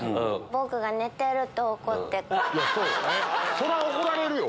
そりゃ怒られるよ。